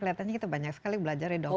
kelihatannya kita banyak sekali belajar ya dok